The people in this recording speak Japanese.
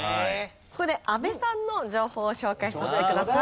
ここで阿部さんの情報を紹介させてください。